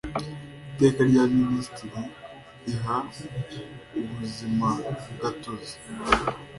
iteka rya minisitiri riha ubuzimagatozi